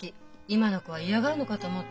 今の子は嫌がるのかと思ってた。